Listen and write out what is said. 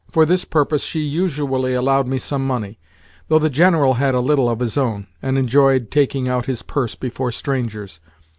For this purpose she usually allowed me some money, though the General had a little of his own, and enjoyed taking out his purse before strangers.